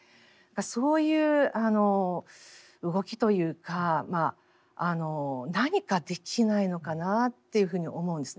そういう動きというか何かできないのかなというふうに思うんですね。